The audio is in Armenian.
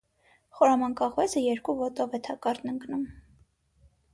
Խորամանկ աղվեսը երկու ոտով է թակարդն ընկնում: